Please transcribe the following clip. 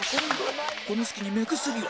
この隙に目薬を